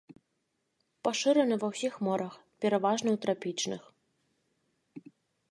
Пашыраны ва ўсіх морах, пераважна ў трапічных.